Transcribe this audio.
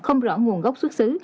không rõ nguồn gốc xuất xứ